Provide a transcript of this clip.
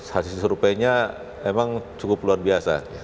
hasil surveinya memang cukup luar biasa